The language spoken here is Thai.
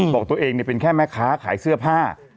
บอกตัวเองเป็นแค่แม่ค้าขายเสื้อผ้า